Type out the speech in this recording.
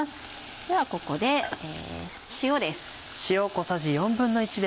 ではここで塩です。